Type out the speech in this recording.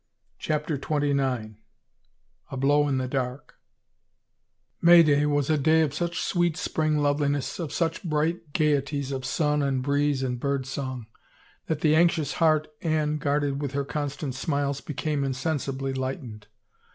CHAPTER XXIX A BLOW IN THE DARK 'AY DAY was a day of such sweet spring love liness, of such bright gayeties of sun and breeze and bird song, that the anxious heart Anne guarded with her constant smiles became insensi bly lightened.